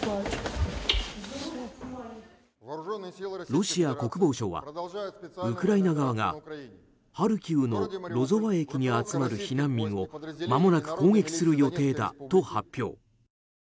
ロシア国防省はウクライナ側がハルキウのロゾワ駅に集まる避難民をまもなく攻撃する予定だと発表。